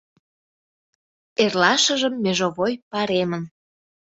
Эрлашыжым межовой паремын.